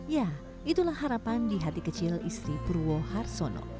ya itulah harapan di hati kecil istri purwo harsono